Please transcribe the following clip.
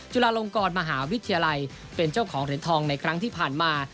จุฬาลงกรมหาวิทยาลัยเป็นเจ้าของเหรียญทองในครั้งที่ผ่านมา